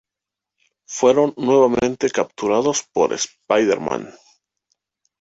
Fueron nuevamente capturados por Spider-Man.